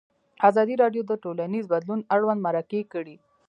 ازادي راډیو د ټولنیز بدلون اړوند مرکې کړي.